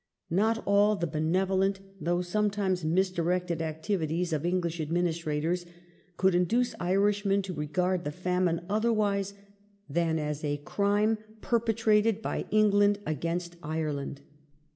Not all the benevolent, though sometimes misdirected activities of English administrators could induce Irishmen to regard the famine otherwise than as a crime perpetrated by England against Ireland.